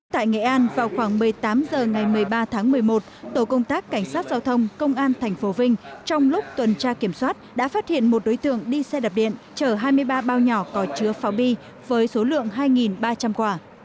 tại nghệ an vào khoảng một mươi tám h ngày một mươi ba tháng một mươi một tổ công tác cảnh sát giao thông công an tp vinh trong lúc tuần tra kiểm soát đã phát hiện một đối tượng đi xe đạp điện chở hai mươi ba bao nhỏ có chứa pháo bi với số lượng hai ba trăm linh quả